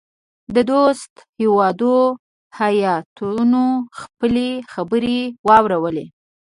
د دوستو هیوادو هیاتونو خپلي خبرې واورلې.